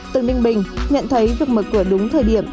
từ ninh bình nhận thấy việc mở cửa đúng thời điểm